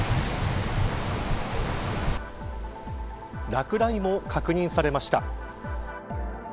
落雷も確認されました。